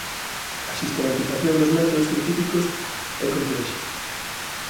A sistematización dos métodos científicos é complexa.